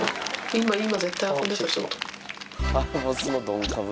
今、今絶対。